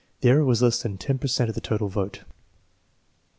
The error was less than 10 per cent of the total vote.